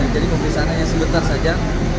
jadi pemeriksaannya sedikit saja